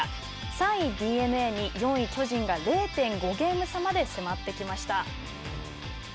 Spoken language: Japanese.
３位ＤｅＮＡに４位巨人が０．５ゲーム差まで迫ってきました。